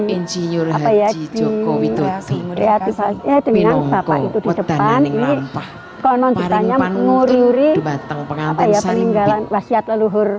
ini nguruskan ini konon ditanya menguruskan peninggalan wasiat leluhur